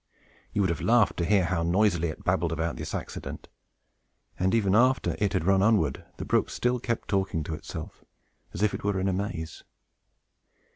You would have laughed to hear how noisily it babbled about this accident. And even after it had run onward, the brook still kept talking to itself, as if it were in a maze.